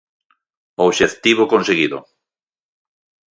Obxectivo conseguido!